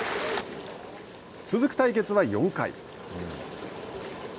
続く対決は４回。